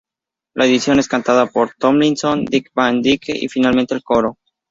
La canción es cantada por Tomlinson, Dick Van Dyke y finalmente, el coro.